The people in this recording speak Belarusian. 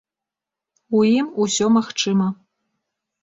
У ім усё магчыма.